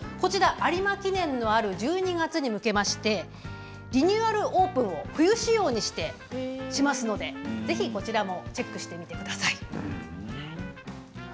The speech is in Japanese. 有馬記念のある１２月に向けましてリニューアルオープンを冬仕様にしますのでぜひこちらもチェックしてください。